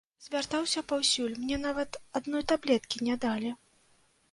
Звяртаўся паўсюль, мне нават адной таблеткі не далі.